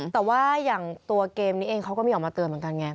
แต่ว่าอย่างตัวเกมนี้เองเขาก็มีออกมาเตือนเหมือนกันไง